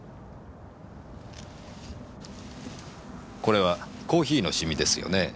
これはコーヒーのシミですよね？